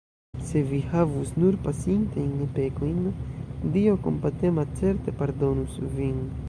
Se vi havus nur pasintajn pekojn, Dio kompatema certe pardonus vin!